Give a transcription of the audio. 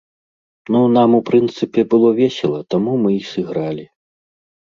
Ну, нам, у прынцыпе, было весела, таму мы і сыгралі!